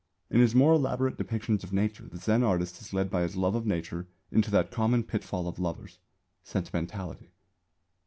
In his more elaborate depictions of nature the Zen artist is led by his love of nature into that common pitfall of lovers sentimentality.